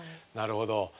なるほど。